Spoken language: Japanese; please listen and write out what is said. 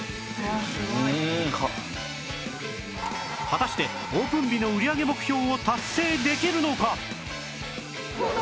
果たしてオープン日の売り上げ目標を達成できるのか！？